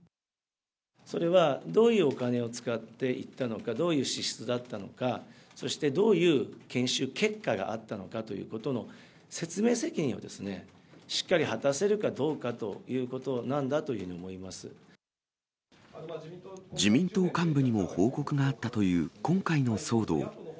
それはどういうお金を使って行ったのか、どういう支出だったのか、そしてどういう研修結果があったのかということの、説明責任をしっかり果たせるかどうかということなんだというふう自民党幹部にも報告があったという、今回の騒動。